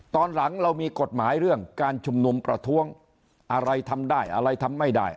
ตอนหลังเรามีกฎหมายเรื่องการชุมนุมประท้วงอะไรทำได้อะไรทำไม่ได้